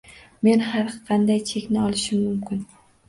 Men har qanday chekni olishim mumkin.